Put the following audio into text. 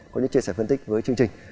và chia sẻ phân tích với chương trình